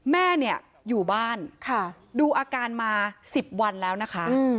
แม่เนี่ยอยู่บ้านดูอาการมา๑๐วันแล้วนะคะ